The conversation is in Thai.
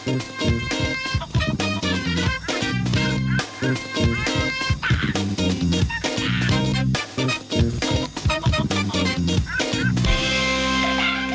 โปรดติดตามตอนต่อไป